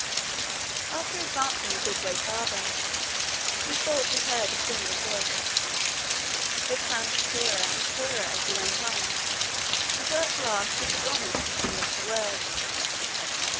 After advancing a good way farther, he thought he heard a single voice. It sounded clearer and clearer as he went on, until at last he could almost distinguish the words.